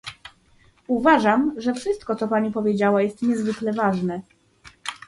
Uważam, że wszystko, co Pani powiedziała jest niezwykle ważne